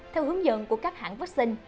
theo hướng dẫn của các hãng vaccine